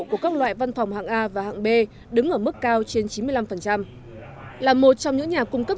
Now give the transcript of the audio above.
của các loại văn phòng hạng a và hạng b đứng ở mức cao trên chín mươi năm là một trong những nhà cung cấp